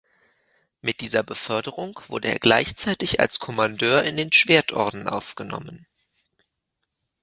Mit dieser Beförderung wurde er gleichzeitig als Kommandeur in den Schwertorden aufgenommen.